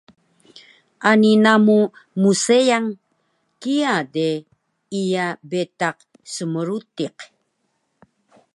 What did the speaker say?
Ani namu mseang. Kiya de iya betaq smrutiq